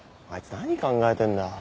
あいつ何考えてんだ。